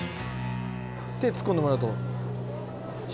手突っ込んでもらうと。